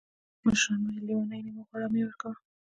مشران وایي: لیوني نه یې مه غواړه او مه یې ورکوه.